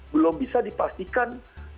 belum bisa dipastikan